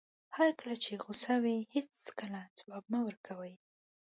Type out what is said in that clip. هر کله چې غوسه وئ هېڅکله ځواب مه ورکوئ.